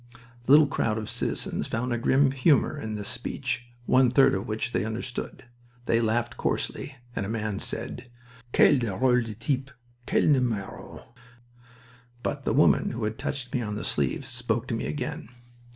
The little crowd of citizens found a grim humor in this speech, one third of which they understood. They laughed coarsely, and a man said: "Quel drole de type! Quel numero!" But the woman who had touched me on the sleeve spoke to me again.